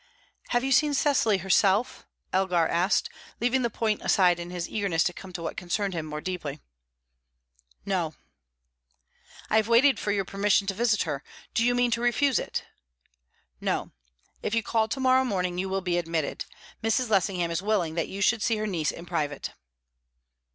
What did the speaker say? "Have you seen Cecily herself?" Elgar asked, leaving the point aside in his eagerness to come to what concerned him more deeply. "No." "I have waited for your permission to visit her. Do you mean to refuse it?" "No. If you call to morrow morning, you will be admitted. Mrs. Lessingham is willing that you should see her niece in private."